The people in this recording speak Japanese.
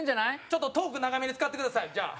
ちょっとトーク長めに使ってくださいじゃあ。